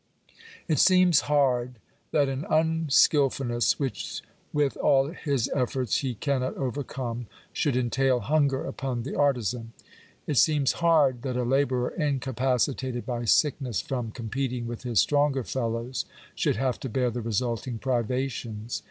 It seems hard that an unskilfulness which with all his efforts he cannot overcome, should entail hunger upon the artizan. It seems hard that a labourer incapacitated by sickness from competing with his stronger fellows, should have to bear the resulting privations.